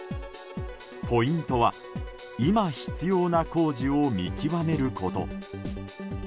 ポイントは今必要な工事を見極めること。